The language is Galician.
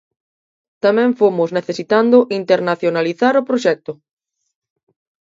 Tamén fomos necesitando internacionalizar o proxecto.